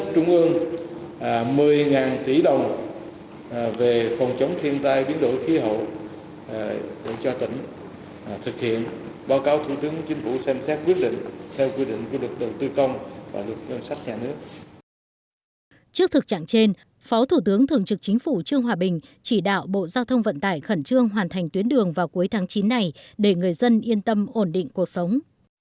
trước thực trạng trên phó thủ tướng thường trực chính phủ trường hòa bình chỉ đạo bộ giao thông vận tải khẩn trương hoàn thành tuyến đường vào cuối tháng chín này để người dân yên tâm ổn định cuộc sống